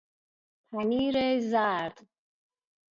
پنیر زرد